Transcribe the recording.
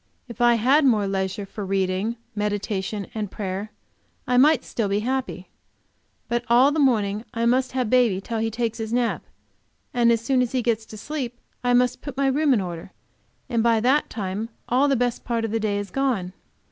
If I had more leisure for reading, meditation and prayer, I might still be happy. But all the morning, I must have baby till he takes his nap, and as soon as he gets to sleep I must put my room in order, and by that time all the best part of the day is gone.